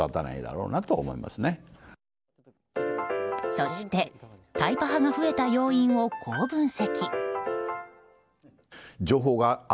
そして、タイパ派が増えた要因をこう分析。